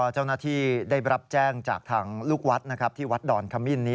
เจ้าหน้าที่ได้รับแจ้งจากทางลูกวัดที่วัดดอนขมิ้นนี้